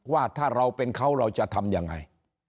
ว่าถ้าเราเป็นเขาเราจะทำยังไง